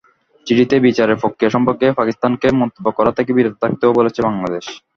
চিঠিতে বিচারের প্রক্রিয়া সম্পর্কে পাকিস্তানকে মন্তব্য করা থেকে বিরত থাকতেও বলেছে বাংলাদেশ।